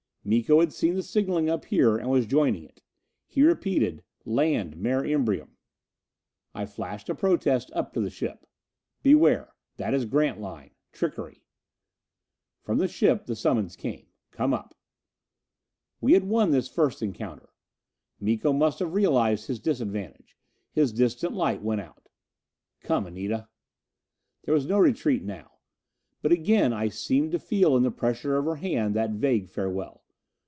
_" Miko had seen the signalling up here and was joining it! He repeated, "Land Mare Imbrium." I flashed a protest up to the ship: "Beware! That is Grantline! Trickery!" From the ship the summons came: "Come up." We had won this first encounter! Miko must have realized his disadvantage. His distant light went out. "Come, Anita." There was no retreat now. But again I seemed to feel in the pressure of her hand that vague farewell.